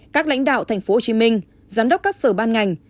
các lãnh đạo tp hcm giám đốc các sở ban ngành